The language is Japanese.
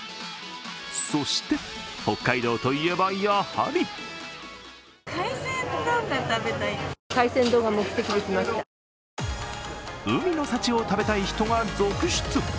そして、北海道といえばやはり海の幸を食べたい人が続出。